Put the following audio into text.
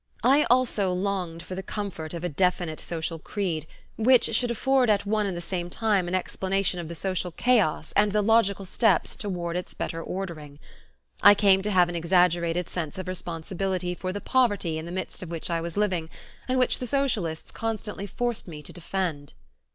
I also longed for the comfort of a definite social creed, which should afford at one and the same time an explanation of the social chaos and the logical steps towards its better ordering. I came to have an exaggerated sense of responsibility for the poverty in the midst of which I was living and which the socialists constantly forced me to defend.